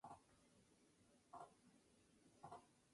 Se aventuró a veces en el terreno de la meditación filosófica.